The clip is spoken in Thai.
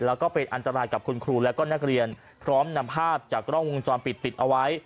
แล้วก็เป็นอันตรายกับคุณครูและก็นักเรียนพร้อมนำภาพจากกล้องวงจรปิดติดเอาไว้